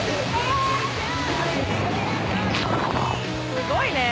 すごいね。